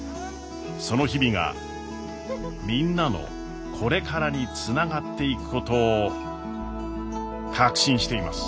その日々がみんなのこれからにつながっていくことを確信しています。